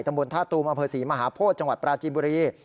ตำบลธาตุมอเภษีมหาโพธย์จังหวัดปราจิบุรี